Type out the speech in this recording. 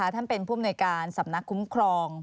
ท่านเป็นผู้อำนวยการสำนักคุ้มครอง